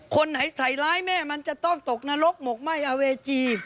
คนไหนใส่ร้ายแม่มันจะต้องตกนรกหมกไหม้อาเวจี